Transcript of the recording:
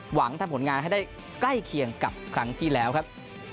หวังทำผลงานให้ได้ใกล้เคียงกับครั้งที่แล้วครับ